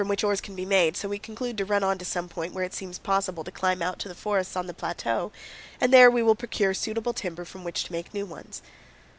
195 which oars can be made, so we conclude to run on to some point where it seems possible to climb out to the forests on the plateau, and there we will procure suitable timber from which to make new ones.